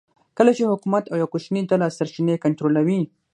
کله چې حکومت او یوه کوچنۍ ډله سرچینې کنټرولوي